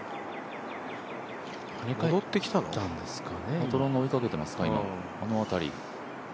パトロンが追いかけてますか。